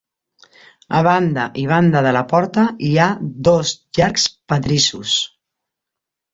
A banda i banda de la porta hi ha dos llargs pedrissos.